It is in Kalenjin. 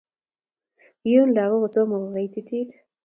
Iun lagok kotomobkukaititit